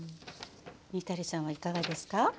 にたりさんはいかがですか？